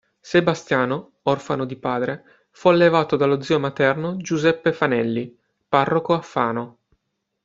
Sebastiano, orfano di padre, fu allevato dallo zio materno Giuseppe Fanelli, parroco a Fano.